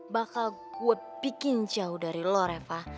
bakal gue bikin jauh dari lo reva